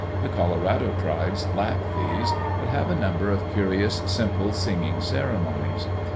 The Colorado tribes lack these, but have a number of curious simple singing cer emonies.